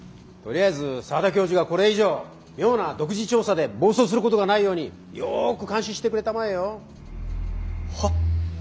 とりあえず澤田教授がこれ以上妙な独自調査で暴走することがないようによく監視してくれたまえよ。は。